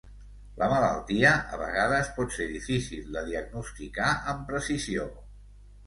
La malaltia a vegades pot ser difícil de diagnosticar amb precisió.